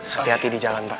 hati hati di jalan pak